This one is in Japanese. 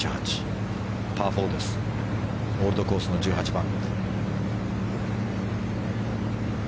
オールドコースの１８番。